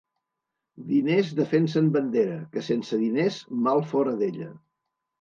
Diners defensen bandera, que sense diners mal fora d'ella.